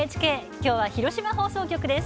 きょうは広島放送局です。